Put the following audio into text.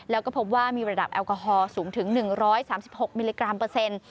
แล้วก็พบว่ามีระดับแอลกอฮอลสูงถึง๑๓๖มิลลิกรัมเปอร์เซ็นต์